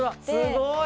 すごい！